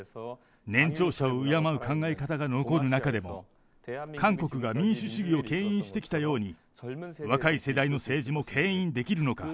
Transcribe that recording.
年長者を敬う考え方が残る中でも、韓国が民主主義をけん引してきたように、若い世代の政治もけん引できるのか？